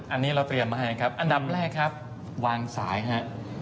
อันนี้เราเตรียมมาให้ครับอันดับแรกครับวางสายฮะ